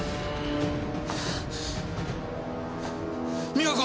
美和子！